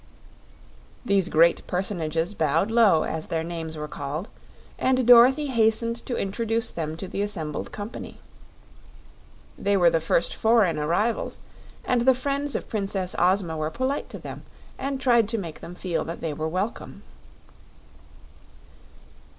These great personages bowed low as their names were called, and Dorothy hastened to introduce them to the assembled company. They were the first foreign arrivals, and the friends of Princess Ozma were polite to them and tried to make them feel that they were welcome.